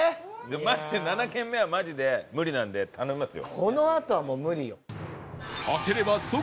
マジで７軒目はマジで無理なんで頼みますよ。